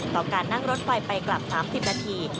ต่อการนั่งรถไฟไปกลับ๓๐นาที